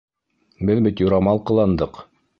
Беҙ бит юрамал ҡыландыҡ!